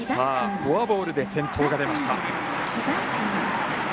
フォアボールで先頭が出ました。